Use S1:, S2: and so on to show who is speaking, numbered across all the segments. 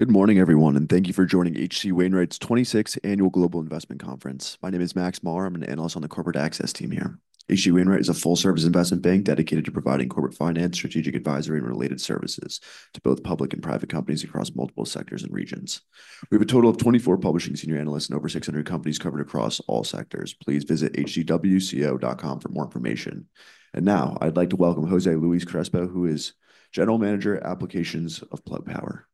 S1: Good morning, everyone, and thank you for joining H.C. Wainwright's 26th Annual Global Investment Conference. My name is Max Maher. I'm an analyst on the corporate access team here. H.C. Wainwright is a full-service investment bank dedicated to providing corporate finance, strategic advisory, and related services to both public and private companies across multiple sectors and regions. We have a total of 24 publishing senior analysts and over 600 companies covered across all sectors. Please visit hcwco.com for more information. And now, I'd like to welcome José Luis Crespo, who is General Manager, Applications of Plug Power.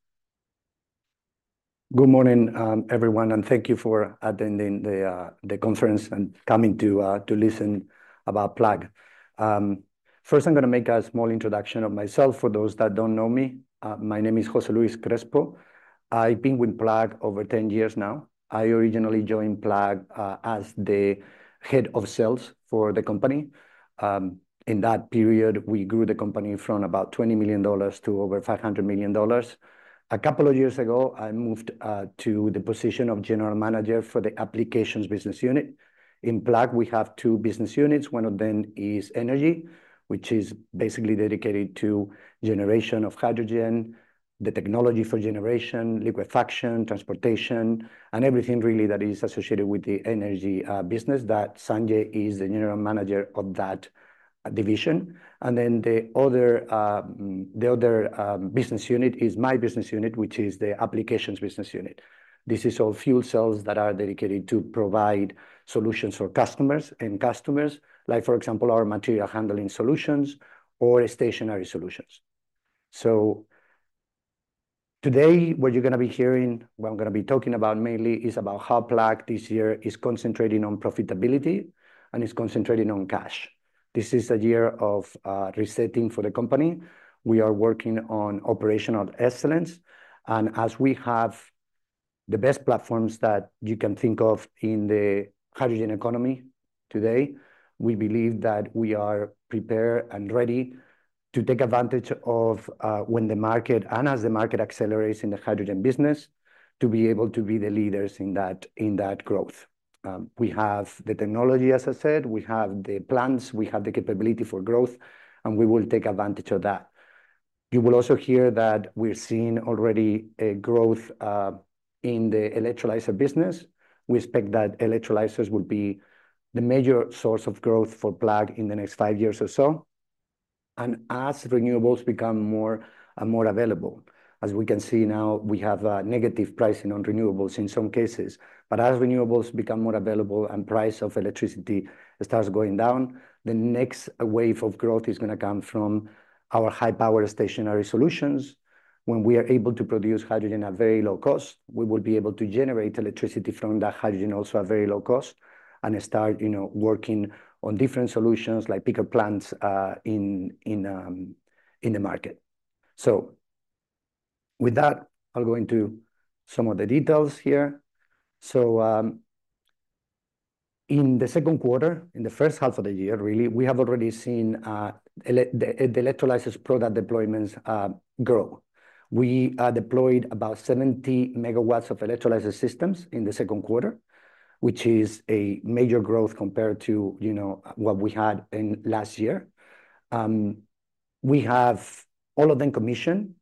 S2: Good morning, everyone, and thank you for attending the conference and coming to listen about Plug. First, I'm gonna make a small introduction of myself for those that don't know me. My name is José Luis Crespo. I've been with Plug over 10 years now. I originally joined Plug as the Head of Sales for the company. In that period, we grew the company from about $20 million to over $500 million. A couple of years ago, I moved to the position of General Manager for the Applications business unit. In Plug, we have two business units. One of them is Energy, which is basically dedicated to generation of hydrogen, the technology for generation, liquefaction, transportation, and everything really that is associated with the Energy business, that Sanjay is the General Manager of that division. And then the other business unit is my business unit, which is the Applications business unit. This is all fuel cells that are dedicated to provide solutions for customers, end customers, like, for example, our material handling solutions or stationary solutions. So today, what you're gonna be hearing, what I'm gonna be talking about mainly, is about how Plug this year is concentrating on profitability and is concentrating on cash. This is a year of resetting for the company. We are working on operational excellence, and as we have the best platforms that you can think of in the hydrogen economy today, we believe that we are prepared and ready to take advantage of when the market, and as the market accelerates in the hydrogen business, to be able to be the leaders in that growth. We have the technology, as I said, we have the plans, we have the capability for growth, and we will take advantage of that. You will also hear that we're seeing already a growth in the electrolyzer business. We expect that electrolyzers will be the major source of growth for Plug in the next five years or so. And as renewables become more and more available, as we can see now, we have negative pricing on renewables in some cases. But as renewables become more available and price of electricity starts going down, the next wave of growth is gonna come from our high-power stationary solutions. When we are able to produce hydrogen at very low cost, we will be able to generate electricity from that hydrogen also at very low cost and start, you know, working on different solutions, like peaker plants, in the market. So with that, I'll go into some of the details here. So, in the Q2, in the H1 of the year, really, we have already seen the electrolyzers product deployments grow. We deployed about 70 MW of electrolyzer systems in the Q2, which is a major growth compared to, you know, what we had in last year. We have all of them commissioned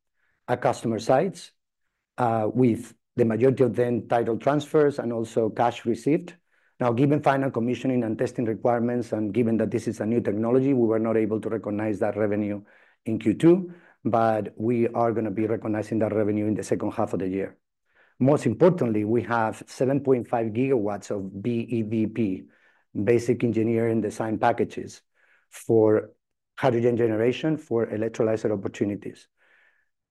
S2: at customer sites, with the majority of them title transfers and also cash received. Now, given final commissioning and testing requirements, and given that this is a new technology, we were not able to recognize that revenue in Q2, but we are gonna be recognizing that revenue in the H2 of the year. Most importantly, we have seven point five GW of BEDP, Basic Engineering Design Packages, for hydrogen generation, for electrolyzer opportunities.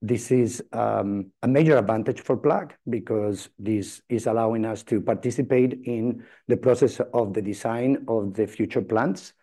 S2: This is a major advantage for Plug because this is allowing us to participate in the process of the design of the future plants,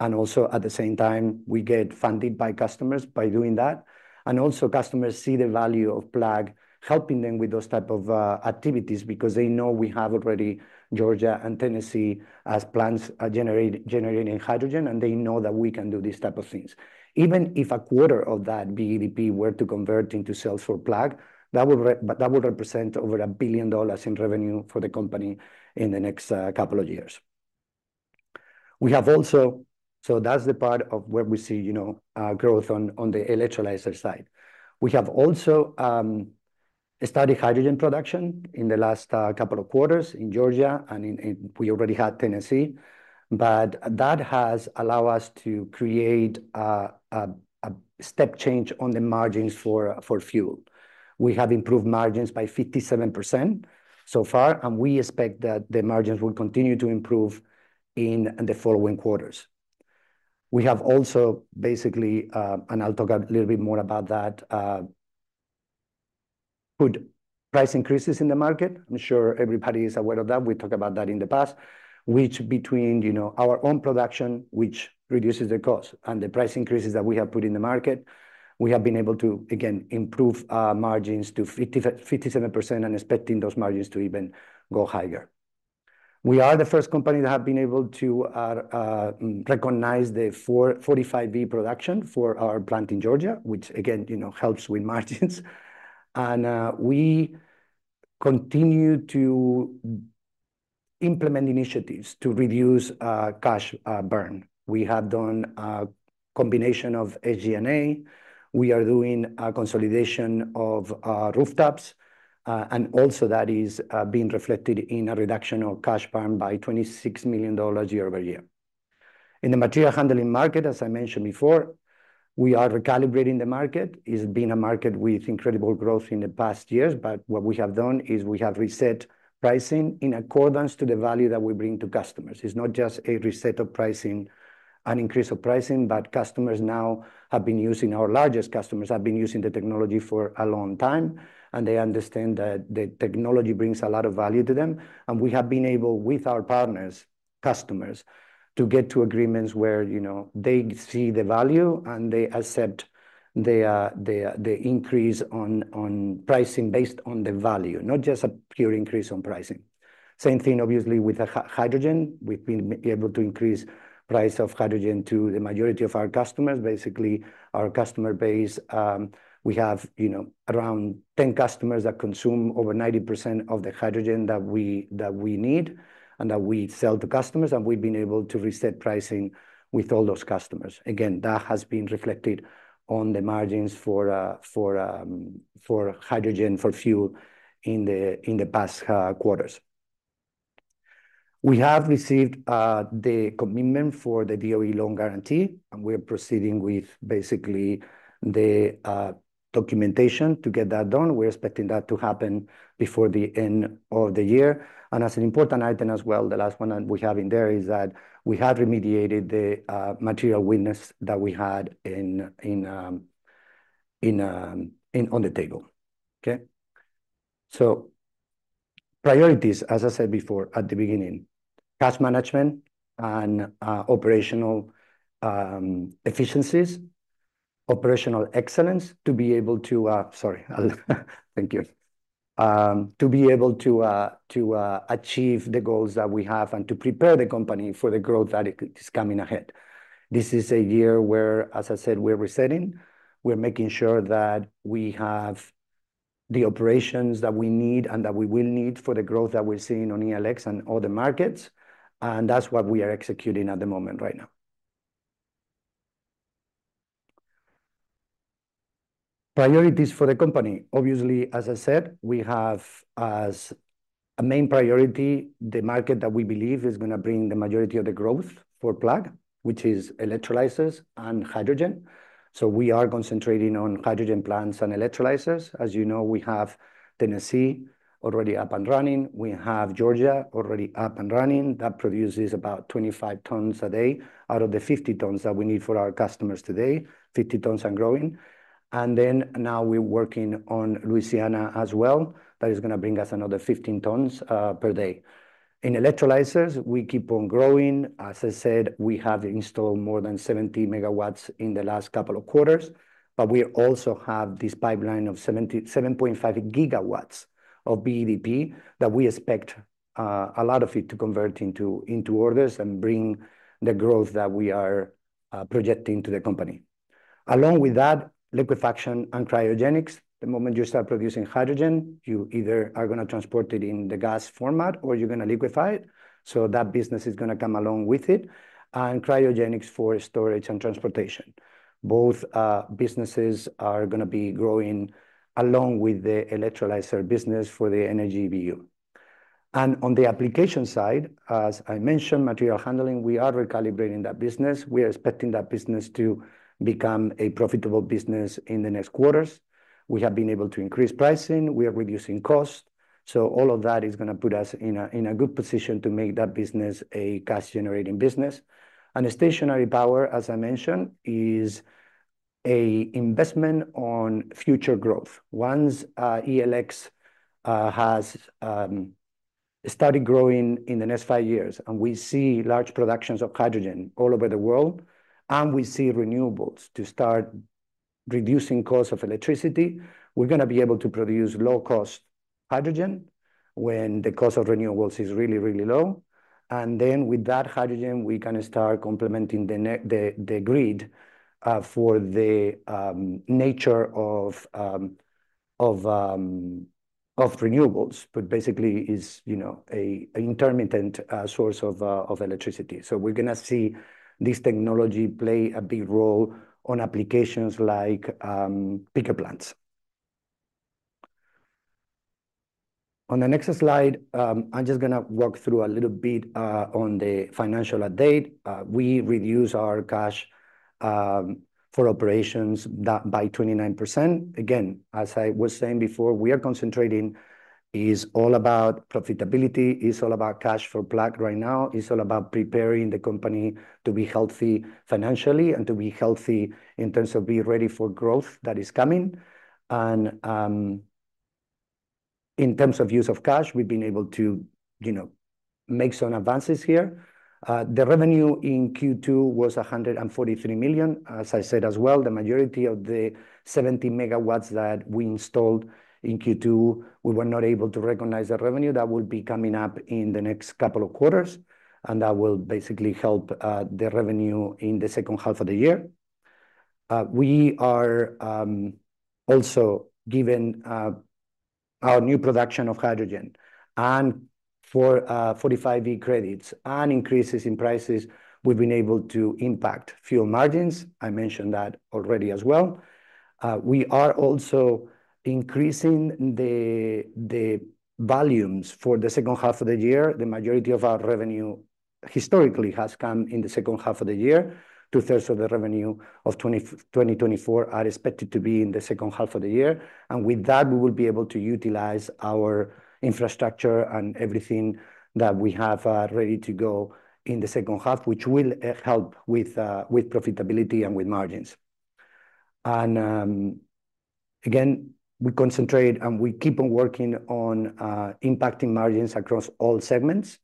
S2: and also, at the same time, we get funded by customers by doing that. And also, customers see the value of Plug helping them with those type of activities because they know we have already Georgia and Tennessee as plants generating hydrogen, and they know that we can do these type of things. Even if a quarter of that BEDP were to convert into sales for Plug, that would represent over $1 billion in revenue for the company in the next couple of years. So that's the part of where we see, you know, growth on the electrolyzer side. We have also started hydrogen production in the last couple of quarters in Georgia, and we already had Tennessee. But that has allow us to create a step change on the margins for fuel. We have improved margins by 57% so far, and we expect that the margins will continue to improve in the following quarters. We have also, basically, and I'll talk a little bit more about that put price increases in the market. I'm sure everybody is aware of that. We talked about that in the past, which between, you know, our own production, which reduces the cost, and the price increases that we have put in the market, we have been able to, again, improve margins to 57% and expecting those margins to even go higher. We are the first company to have been able to recognize the 45V production for our plant in Georgia, which again, you know, helps with margins. We continue to implement initiatives to reduce cash burn. We have done a combination of SG&A. We are doing a consolidation of rooftops, and also that is being reflected in a reduction of cash burn by $26 million year-over-year. In the material handling market, as I mentioned before, we are recalibrating the market. It's been a market with incredible growth in the past years, but what we have done is we have reset pricing in accordance to the value that we bring to customers. It's not just a reset of pricing, an increase of pricing, but customers now have been using our largest customers have been using the technology for a long time, and they understand that the technology brings a lot of value to them. And we have been able, with our partners, customers, to get to agreements where, you know, they see the value, and they accept the increase on pricing based on the value, not just a pure increase on pricing. Same thing, obviously, with the hydrogen. We've been able to increase price of hydrogen to the majority of our customers. Basically, our customer base, we have, you know, around ten customers that consume over 90% of the hydrogen that we need and that we sell to customers, and we've been able to reset pricing with all those customers. Again, that has been reflected on the margins for hydrogen, for fuel in the past quarters. We have received the commitment for the DOE loan guarantee, and we are proceeding with basically the documentation to get that done. We're expecting that to happen before the end of the year. And as an important item as well, the last one that we have in there is that we have remediated the material weakness that we had on the table. Okay? Priorities, as I said before, at the beginning, cash management and operational efficiencies, operational excellence, to be able to achieve the goals that we have and to prepare the company for the growth that is coming ahead. This is a year where, as I said, we're resetting. We're making sure that we have the operations that we need and that we will need for the growth that we're seeing on ELX and other markets, and that's what we are executing at the moment right now. Priorities for the company. Obviously, as I said, we have as a main priority, the market that we believe is gonna bring the majority of the growth for Plug, which is electrolyzers and hydrogen. We are concentrating on hydrogen plants and electrolyzers. As you know, we have Tennessee already up and running. We have Georgia already up and running. That produces about 25 tons a day out of the 50 tons that we need for our customers today, 50 tons and growing. And then now we're working on Louisiana as well. That is gonna bring us another 15 tons per day. In electrolyzers, we keep on growing. As I said, we have installed more than 70 MW in the last couple of quarters, but we also have this pipeline of 7.5 GW of BEDP that we expect a lot of it to convert into orders and bring the growth that we are projecting to the company. Along with that, liquefaction and cryogenics. The moment you start producing hydrogen, you either are gonna transport it in the gas format or you're gonna liquefy it, so that business is gonna come along with it. And cryogenics for storage and transportation. Both businesses are gonna be growing along with the electrolyzer business for the Energy BU. And on the application side, as I mentioned, material handling, we are recalibrating that business. We are expecting that business to become a profitable business in the next quarters. We have been able to increase pricing, we are reducing cost. So all of that is gonna put us in a good position to make that business a cash-generating business. And the stationary power, as I mentioned, is an investment on future growth. Once ELX has started growing in the next five years, and we see large productions of hydrogen all over the world, and we see renewables to start reducing cost of electricity, we're gonna be able to produce low-cost hydrogen when the cost of renewables is really, really low. And then with that hydrogen, we can start complementing the grid for the nature of renewables, but basically is, you know, a an intermittent source of electricity. So we're gonna see this technology play a big role on applications like bigger plants. On the next slide, I'm just gonna walk through a little bit on the financial update. We reduced our cash for operations by 29%. Again, as I was saying before, we are concentrating. It's all about profitability. It's all about cash for Plug right now. It's all about preparing the company to be healthy financially and to be healthy in terms of being ready for growth that is coming. And in terms of use of cash, we've been able to, you know, make some advances here. The revenue in Q2 was $143 million. As I said as well, the majority of the 70 MW that we installed in Q2, we were not able to recognize the revenue. That will be coming up in the next couple of quarters, and that will basically help the revenue in the H2 of the year. We are also, given our new production of hydrogen. For 45V credits and increases in prices, we've been able to impact fuel margins. I mentioned that already as well. We are also increasing the volumes for the H2 of the year. The majority of our revenue historically has come in the H2 of the year. Two-thirds of the revenue of 2024 are expected to be in the H2 of the year, and with that, we will be able to utilize our infrastructure and everything that we have ready to go in the H2, which will help with profitability and with margins. Again, we concentrate and we keep on working on impacting margins across all segments,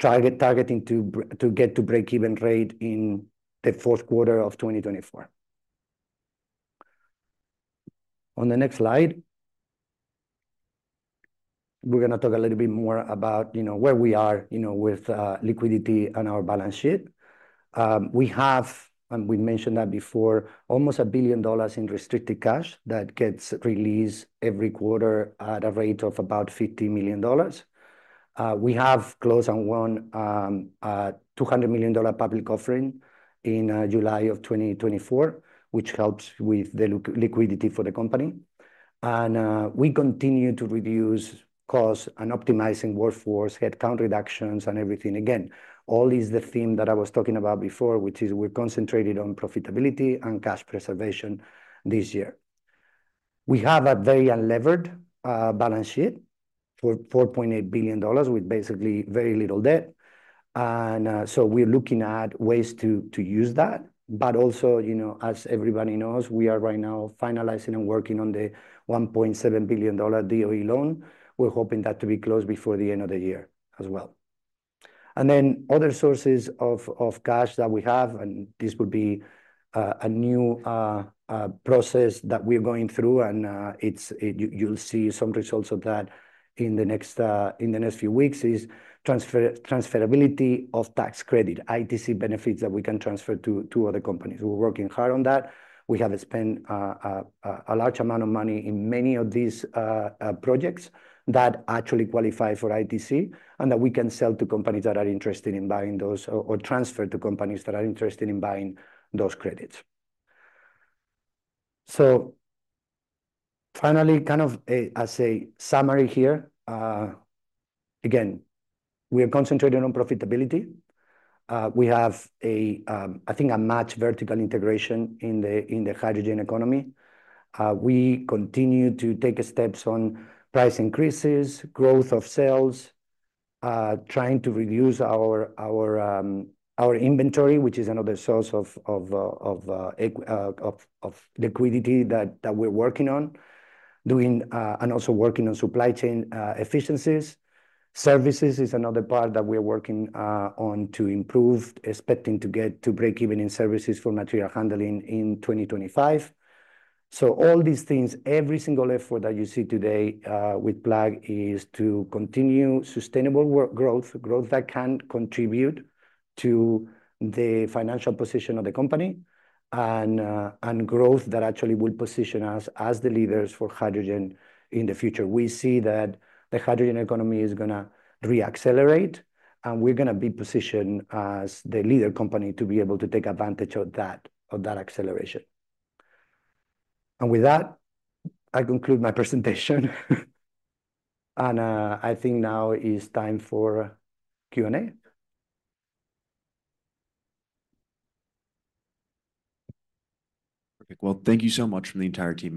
S2: targeting to get to break-even rate in the Q4 of 2024. On the next slide, we're gonna talk a little bit more about, you know, where we are, you know, with liquidity and our balance sheet. We have, and we mentioned that before, almost $1 billion in restricted cash that gets released every quarter at a rate of about $50 million. We have closed on one $200 million public offering in July of 2024, which helps with the liquidity for the company. And we continue to reduce costs and optimizing workforce, headcount reductions, and everything. Again, all is the theme that I was talking about before, which is we're concentrated on profitability and cash preservation this year. We have a very unlevered balance sheet for $4.8 billion, with basically very little debt. And so we're looking at ways to use that. But also, you know, as everybody knows, we are right now finalizing and working on the $1.7 billion DOE loan. We're hoping that to be closed before the end of the year as well. And then other sources of cash that we have, and this would be a new process that we're going through, and it's. You'll see some results of that in the next few weeks, is transferability of tax credit, ITC benefits that we can transfer to other companies. We're working hard on that. We have spent a large amount of money in many of these projects that actually qualify for ITC, and that we can sell to companies that are interested in buying those or transfer to companies that are interested in buying those credits. Finally, kind of as a summary here, again, we are concentrating on profitability. We have, I think a much vertical integration in the hydrogen economy. We continue to take steps on price increases, growth of sales, trying to reduce our inventory, which is another source of liquidity that we're working on. And also working on supply chain efficiencies. Services is another part that we're working on to improve, expecting to get to break even in services for material handling in 2025. So all these things, every single effort that you see today, with Plug is to continue sustainable work growth, growth that can contribute to the financial position of the company, and growth that actually will position us as the leaders for hydrogen in the future. We see that the hydrogen economy is gonna re-accelerate, and we're gonna be positioned as the leader company to be able to take advantage of that acceleration. And with that, I conclude my presentation. And I think now it is time for Q&A.
S1: Thank you so much from the entire team.